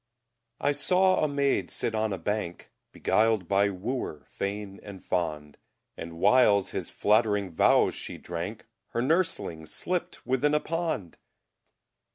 I sawe a Mayd sitte on a Bank, Beguiled by Wooer fayne and fond; And whiles His flatterynge Vowes She drank, Her Nurselynge slipt within a Pond!